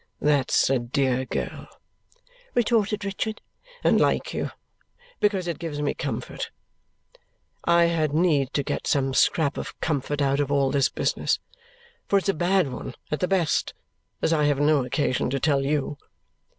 "That's a dear girl," retorted Richard, "and like you, because it gives me comfort. I had need to get some scrap of comfort out of all this business, for it's a bad one at the best, as I have no occasion to tell you."